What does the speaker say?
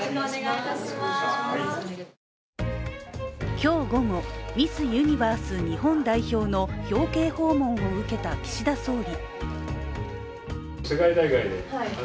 今日午後、ミスユニバース日本代表の表敬訪問を受けた岸田総理。